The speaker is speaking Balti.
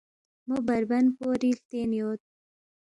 مو بربن پوری ہلتین یود